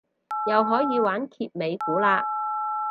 又可以玩揭尾故嘞